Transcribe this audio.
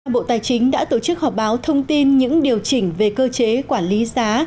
bộ tài chính đã tổ chức họp báo thông tin những điều chỉnh về cơ chế quản lý giá